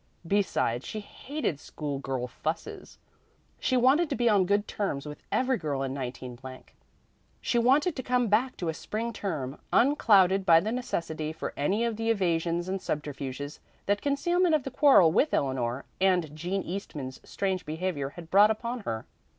Besides, she hated "schoolgirl fusses." She wanted to be on good terms with every girl in 19 . She wanted to come back to a spring term unclouded by the necessity for any of the evasions and subterfuges that concealment of the quarrel with Eleanor and Jean Eastman's strange behavior had brought upon her.